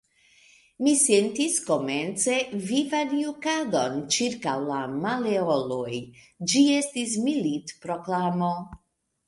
Mi sentis, komence, vivan jukadon ĉirkaŭ la maleoloj: ĝi estis la militproklamo.